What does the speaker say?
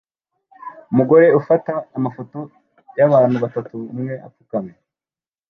Umugore ufata amafoto yabantu batatu umwe apfukamye